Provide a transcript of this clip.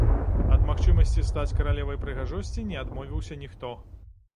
Ад магчымасці стаць каралевай прыгажосці не адмовіўся ніхто.